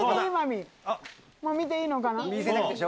もう見ていいのかな？